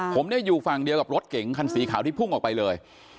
ผมเนี่ยอยู่ฝั่งเดียวกับรถเก๋งคันสีขาวที่พุ่งออกไปเลย